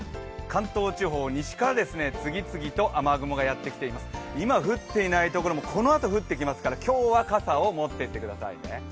関東地方、西から次々と雨雲がやってきて今降っていないところもこのあと降ってきますから、今日は傘を持っていってくださいね。